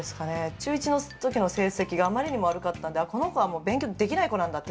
中１の時の成績があまりにも悪かったので、勉強できない子なんだって。